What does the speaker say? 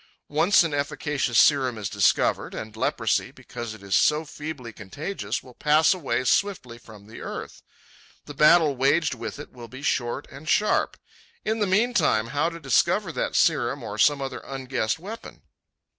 Once an efficacious serum is discovered, and leprosy, because it is so feebly contagious, will pass away swiftly from the earth. The battle waged with it will be short and sharp. In the meantime, how to discover that serum, or some other unguessed weapon?